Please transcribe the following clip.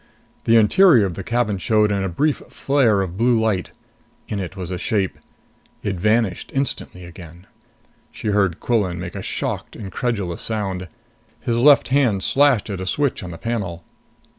The interior of the cabin showed in a brief flare of blue light. In it was a shape. It vanished instantly again. She heard Quillan make a shocked, incredulous sound. His left hand slashed at a switch on the panel.